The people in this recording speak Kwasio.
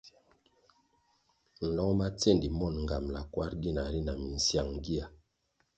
Nlong ma tsendi mon ngambʼla kwarʼ gina ri na minsyang gia.